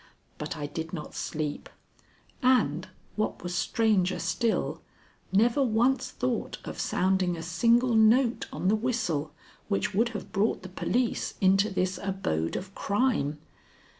But I did not sleep; and, what was stranger still, never once thought of sounding a single note on the whistle which would have brought the police into this abode of crime.